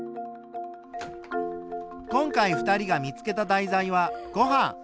今回２人が見つけた題材は「ごはん」。